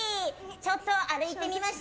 ちょっと歩いてみました。